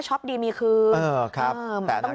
ชอปดีมีคืนต้องเลือกเก็บในเองด้วย